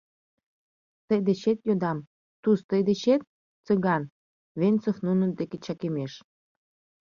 Тый дечет йодам, Туз, тый дечет, Цыган, — Венцов нунын дек чакемеш.